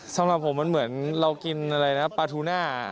สำหรับผมมันเหมือนเรากินปลาทุน่า